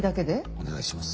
お願いします。